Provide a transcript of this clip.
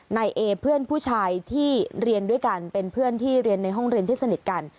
นายเอเพื่อนผู้ชายที่เรียนด้วยกันเป็นเพื่อนที่เรียนในห้องเรียนที่สนิทกัน